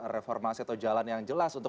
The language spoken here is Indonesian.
reformasi atau jalan yang jelas untuk